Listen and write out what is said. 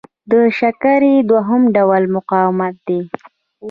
د شکرې دوهم ډول مقاومت دی.